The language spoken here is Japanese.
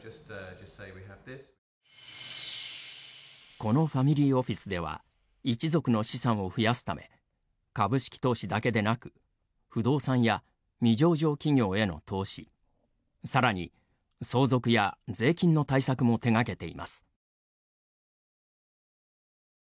このファミリーオフィスでは一族の資産を増やすため株式投資だけでなく不動産や未上場企業への投資さらに相続や税金の対策も手がけています。